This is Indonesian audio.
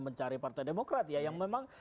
mencari partai demokrat ya yang memang